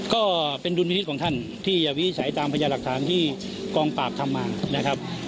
ก็เป็นดุลพินิษฐ์ของท่านที่จะวินิจฉัยตามพยาหลักฐานที่กองปราบทำมานะครับ